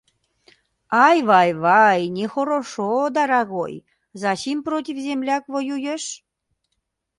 Ай-вай-вай, нэхорошо, дарагой, зачим против земляк воюешь?